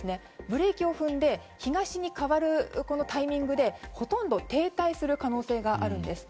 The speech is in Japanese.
ブレーキを踏んで東に変わるタイミングでほとんど停滞する可能性があるんです。